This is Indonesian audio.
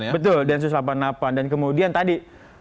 betul densus delapan puluh delapan dan kemudian tadi